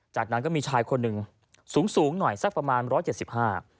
จากนั้นก็มีชายคนนึงสูงหน่อยสักประมาณ๑๗๕บาท